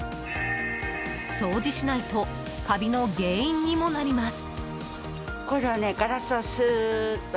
掃除しないとカビの原因にもなります。